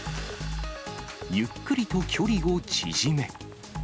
ゆっくりと距離を縮め。